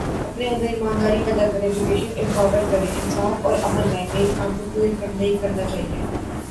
اپنے اندر ایمانداری پیدا کریں، ایجوکیشن امپروو کریں، انصاف اور امن لائیں، نیک کام تو کوئی کرنا نہیں